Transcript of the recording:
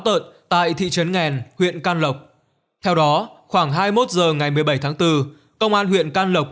tợn tại thị trấn nghèn huyện can lộc theo đó khoảng hai mươi một h ngày một mươi bảy tháng bốn công an huyện can lộc